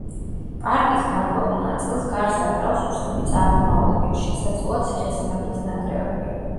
პარკის გარკვეულ ნაწილს გარს აკრავს უცნობი წარმომავლობის, შესაძლოა ციხესიმაგრის ნანგრევები.